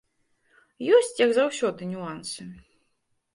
Ёсць, як заўсёды, нюансы.